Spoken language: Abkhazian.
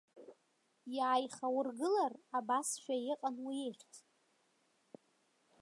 Иааихаургылар, абасшәа иҟан уи ихьӡ.